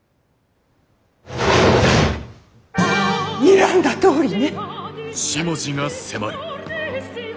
にらんだとおりね。